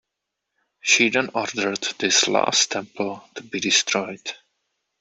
She then ordered this last temple to be destroyed.